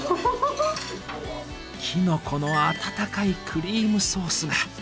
きのこの温かいクリームソースが。